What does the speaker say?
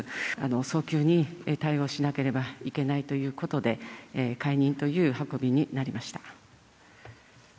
早急に対応しなければいけないということで、解任という運びになりました。